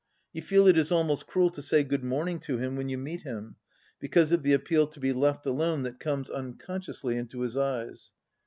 You feel it is almost cruel to say "Good morning" to him when you meet him, because of the appeal to be left alone that comes unconsciously into his eyes.